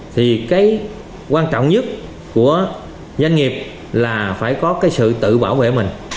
thì cái quan trọng nhất của doanh nghiệp là phải có cái sự tự bảo vệ mình